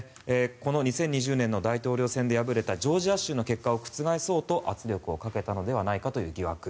この２０２０年の大統領選で敗れたジョージア州の結果を覆そうと圧力をかけたのではないかという疑惑